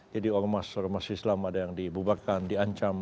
jadi orang emas orang emas islam ada yang dibubarkan diancam